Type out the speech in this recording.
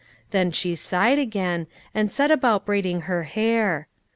Then she sighed again, and set about braiding her hair.